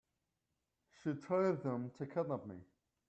She told them to kidnap me.